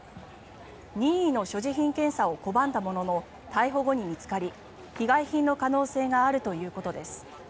任意の所持品検査を拒んだものの逮捕後に見つかり被害品の可能性があるということです。